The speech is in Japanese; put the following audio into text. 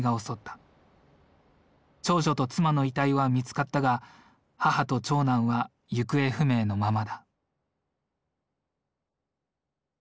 長女と妻の遺体は見つかったが母と長男は行方不明のままだ。